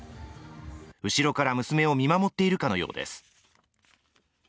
後ろから娘を見守っているかのようです。